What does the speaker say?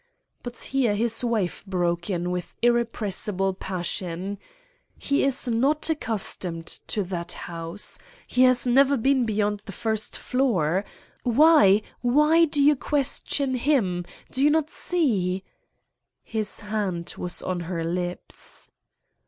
But here his wife broke in with irrepressible passion: "He is not accustomed to that house. He has never been beyond the first floor. Why, why do you question him? Do you not see——" His hand was on her lips.